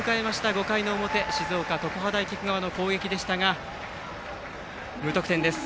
５回の表静岡・常葉大菊川の攻撃でしたが無得点です。